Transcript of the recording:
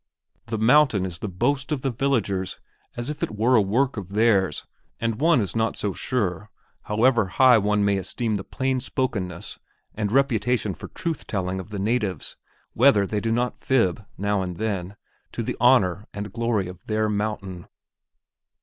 The mountain is the boast of the villagers as if it were a work of theirs and one is not so sure, however high one may esteem the plain spokenness and reputation for truth telling of the natives, whether they do not fib, now and then, to the honor and glory of their mountain.